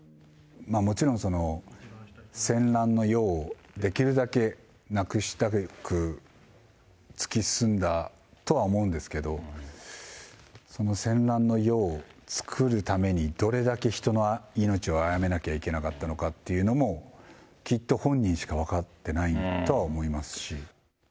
もちろん、戦乱の世をできるだけなくしたく、突き進んだとは思うんですけれども、その戦乱の世を作るために、どれだけ人の命をあやめなきゃいけなかったのかっていうのも、きっと本人しか分かってないとは思いますし。